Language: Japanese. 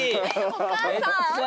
お母さん。